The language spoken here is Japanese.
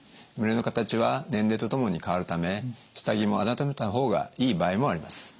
胸の形は年齢とともに変わるため下着も改めた方がいい場合もあります。